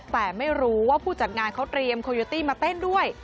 แต่ไม่รู้ว่าผู้จัดงานเขาเตรียมโคโยตี้มาเต้นด้วย